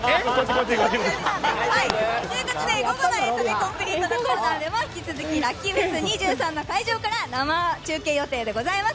ということで午後の「エンタメコンプリート」のコーナーでは引き続き、ＬｕｃｋｙＦｅｓ’２３の会場から生中継予定でございます。